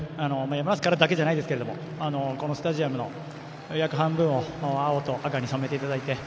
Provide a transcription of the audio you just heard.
山梨からだけじゃないですけどこのスタジアムの約半分を青と赤に染めていただいて